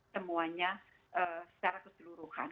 temuannya secara keseluruhan